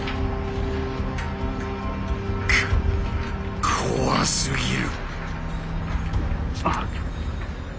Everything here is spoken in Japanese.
こ怖すぎる。